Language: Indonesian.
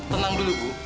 tenang dulu bu